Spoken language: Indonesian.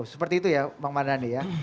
seperti itu ya bang mardhani ya